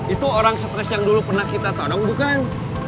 itu orang stres yang dulu pernah kita tolong bukan